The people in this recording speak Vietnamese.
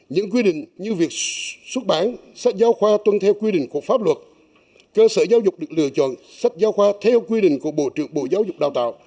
những quy định như việc xuất bản sách giáo khoa tuân theo quy định của pháp luật cơ sở giáo dục được lựa chọn sách giáo khoa theo quy định của bộ trưởng bộ giáo dục đào tạo